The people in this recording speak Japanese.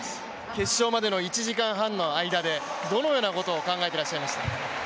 決勝までの１時間半の間で、どのようなことを考えてらっしゃいました？